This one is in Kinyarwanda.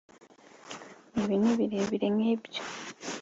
ibi ni birebire nkibyo